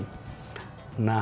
jadi kita berbentuk